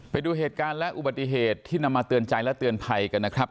ไปดูเหตุการณ์และอุบัติเหตุที่นำมาเตือนใจและเตือนภัยกันนะครับ